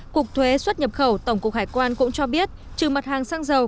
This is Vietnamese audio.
cục thuế xuất nhập khẩu tổng cục hải quan cũng cho biết trừ mặt hàng xăng dầu